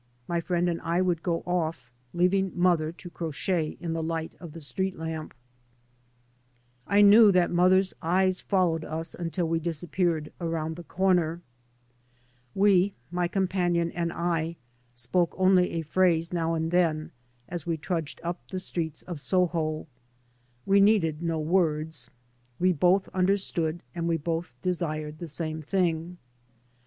My friend and I would go off, leaving mother to crochet in the light of the street lamp. I knew that mother's eyes followed us until we disappeared around the corner. We, my companion and I, spoke only a phrase now and then as we trudged up the streets of Soho. We needed no words. We both understood and we both desired the same thing.